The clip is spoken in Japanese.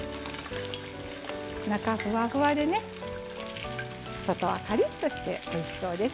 中ふわふわでね外はカリッとしておいしそうです。